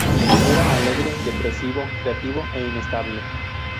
Era alegre, depresivo, creativo e inestable.